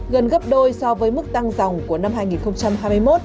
gần gấp đôi so với mức tăng dòng của năm hai nghìn hai mươi một